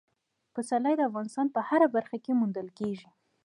پسرلی د افغانستان په هره برخه کې موندل کېږي.